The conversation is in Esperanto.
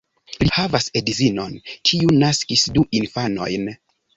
Li havas edzinon, kiu naskis du infanojn.